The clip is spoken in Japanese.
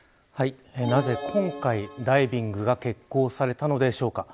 なぜ今回、ダイビングが決行されたのでしょうか。